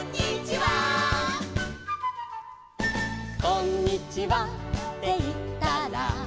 「こんにちはっていったら」